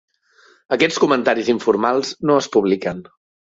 Aquests comentaris informals no es publiquen.